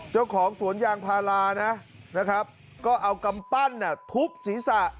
เจ้าของสวนยางพารานะนะครับก็เอากำปั้นทุบศีรษะ